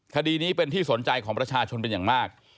คดีนี้เป็นที่สนใจของประชาชนเป็นอย่างมาก